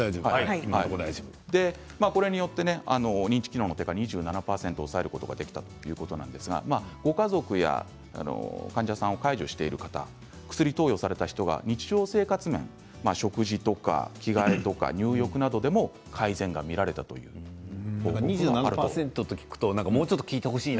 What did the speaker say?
これによって認知機能の低下２７％抑えることができたということなんですがご家族や患者さんを介助している方、薬を投与された人が日常生活面食事とか着替えとか入浴などでも改善が見られたということなんです。